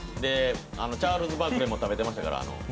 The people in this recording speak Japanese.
チャールズ・バークレーも食べてましたから。